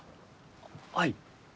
はい。